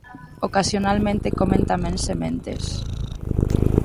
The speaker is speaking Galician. Ocasionalmente comen tamén sementes.